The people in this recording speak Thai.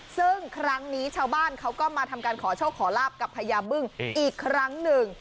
ซึ่งครั้งนี้ชาวบ้านเขาก็มาทำการขอโชคขอลาบกับพญาบึ้งอีกครั้งหนึ่ง